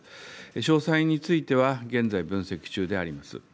詳細については、現在分析中であります。